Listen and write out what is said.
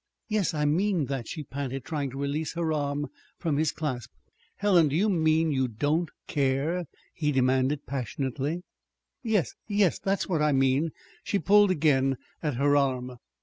"Yes, I mean that," she panted, trying to release her arm from his clasp. "Helen! Do you mean you don't care?" he demanded passionately. "Yes, yes that's what I mean." She pulled again at her arm.